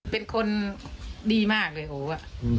เป็นคนดีมากเลยโหอ่ะ